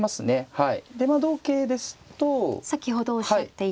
はい。